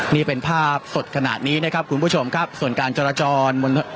นี่เป็นภาพสดขนาดนี้นะครับคุณผู้ชมครับส่วนการจราจรบนถนน